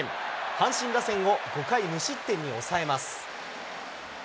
阪神打線を５回無失点に抑えます。